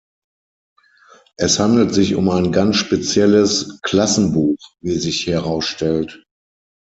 Es handelt sich um ein ganz spezielles "„Klassenbuch“", wie sich herausstellt.